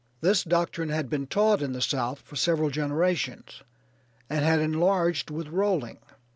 This doctrine had been taught in the South for several generations, and had enlarged with rolling.